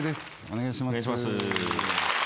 お願いします。